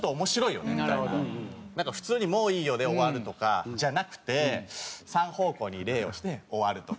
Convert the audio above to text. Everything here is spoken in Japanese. なんか普通に「もういいよ」で終わるとかじゃなくて３方向に礼をして終わるとか。